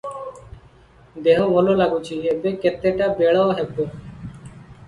"ଦେହ ଭଲ ଲାଗୁଚି! ଏବେ କେତେଟା ବେଳ ହବ?